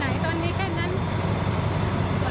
และความสุขของคุณค่ะ